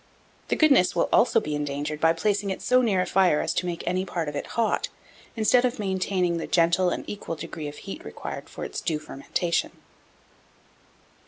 The goodness will also be endangered by placing it so near a fire as to make any part of it hot, instead of maintaining the gentle and equal degree of heat required for its due fermentation.